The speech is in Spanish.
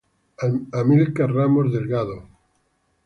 Amílcar Ramos Delgado ofm.